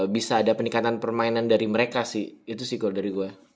bisa ada peningkatan permainan dari mereka sih itu sih kalau dari gue